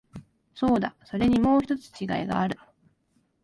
そうだ、それにもう一つ違いがある。